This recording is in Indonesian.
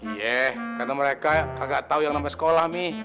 iya karena mereka gak tau yang namanya sekolah mi